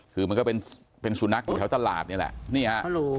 คือมันก็เป็นเป็นสุนัขอยู่แถวตลาดนี่แหละนี่ฮะ